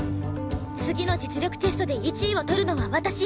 次の実力テストで１位を取るのは私！